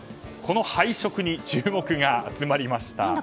この配色に注目が集まりました。